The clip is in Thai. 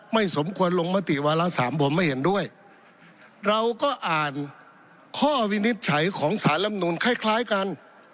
สมควรลงมติวาระสามผมไม่เห็นด้วยเราก็อ่านข้อวินิจฉัยของสารลำนูนคล้ายคล้ายกัน